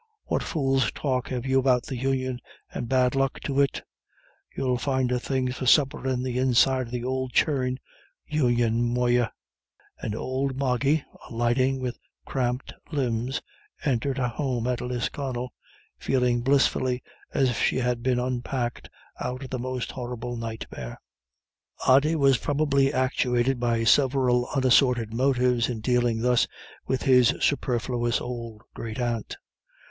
What fool's talk have you about the Union, and bad luck to it? You'll find the things for the supper in the inside of the ould churn. Union, moyah!" And old Moggy, alighting with cramped limbs, entered her home at Lisconnel, feeling blissfully as if she had been unpacked out of a most horrible nightmare. Ody was probably actuated by several unassorted motives in dealing thus with his superfluous old great aunt.